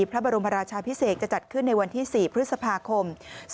พระบรมราชาพิเศษจะจัดขึ้นในวันที่๔พฤษภาคม๒๕๖